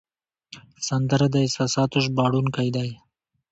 سندره د احساساتو ژباړونکی ده